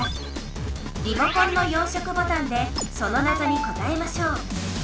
リモコンの４色ボタンでそのなぞに答えましょう。